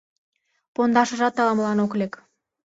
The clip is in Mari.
Пондашыжат ала-молан ок лек.